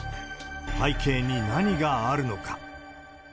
背景に何があるのか。